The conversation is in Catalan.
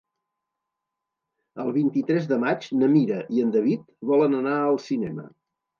El vint-i-tres de maig na Mira i en David volen anar al cinema.